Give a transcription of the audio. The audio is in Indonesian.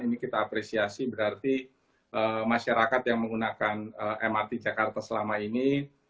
ini kita apresiasi berarti masyarakat yang menggunakan mrt jakarta selama ini